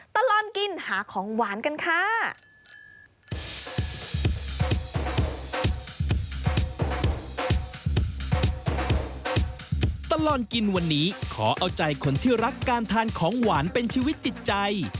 ตลอดกินวันนี้ขอเอาใจคนที่รักการทานของหวานเป็นชีวิตจิตใจ